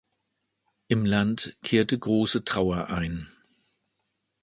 Im Land kehrte große Trauer ein.